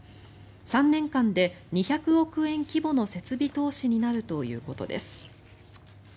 ３年間で２００億円規模の設備投資になるということです。